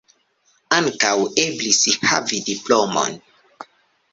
Ankaŭ eblis havi diplomon.